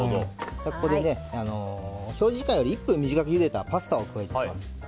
ここで表示時間より１分短くゆでたパスタを加えます。